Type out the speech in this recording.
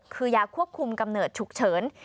คือยาควบคุมกำเนิดฉุกเฉิน